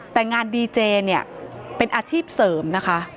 แต่งานดีเจเนี่ยเป็นอาชีพเสริมนะคะ